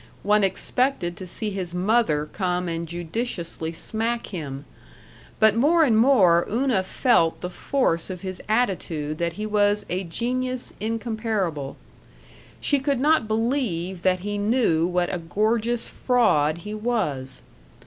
One expected to see his mother come and judiciously smack him. But more and more Una felt the force of his attitude that he was a genius incomparable. She could not believe that he knew what a gorgeous fraud he was.